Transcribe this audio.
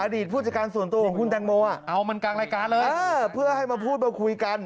ผู้จัดการส่วนตัวของคุณแตงโมเอามันกลางรายการเลยเพื่อให้มาพูดมาคุยกัน